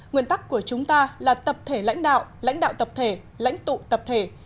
nguyên tắc của chúng ta là tập thể lãnh đạo lãnh đạo tập thể lãnh tụ tập thể